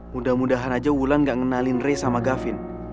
mudah mudahan aja wulan gak ngenalin rey sama gavin